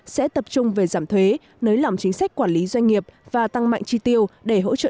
sẽ tập trung về giảm thuế nới lỏng chính sách quản lý doanh nghiệp và tăng mạnh chi tiêu để hỗ trợ